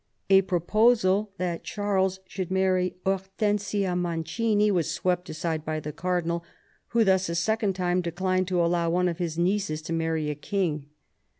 A proposal that Charles should marry Hortensia Mancini was swept aside by the cardinal, who thus a second time declined to allow one of his nieces to marry a king.